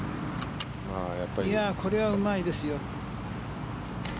これはうまいですよ。